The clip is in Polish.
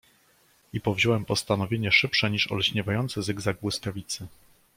"I powziąłem postanowienie szybsze niż olśniewający zygzak błyskawicy."